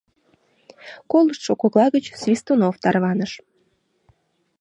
Колыштшо кокла гыч Свистунов тарваныш.